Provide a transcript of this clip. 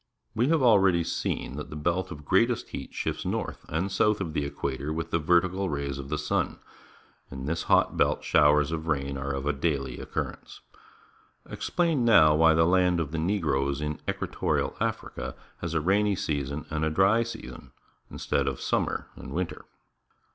We have already seen that the belt of greatest heat shifts north and south of the equator with the vertical rays of the sun. In this hot belt showers of rain are of daily occurrence. Explain now why the land of the Negroes in Equatorial Africa has a rainy season and a dry season in.stead of summer and winter.